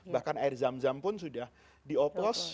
bahkan air zam zam pun sudah di oplos